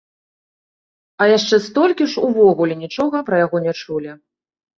А яшчэ столькі ж увогуле нічога пра яго не чулі.